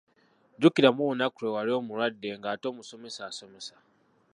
Jjukiramu olunaku lwe wali omulwadde ng'ate omusomesa asomesa!